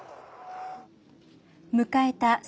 迎えた